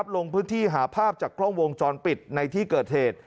ลงพื้นที่หาภาพจากกล้องวงจรปิดในที่เกิดเหตุ